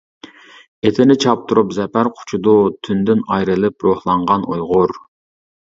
ئېتىنى چاپتۇرۇپ زەپەر قۇچىدۇ، تۈندىن ئايرىلىپ روھلانغان ئۇيغۇر.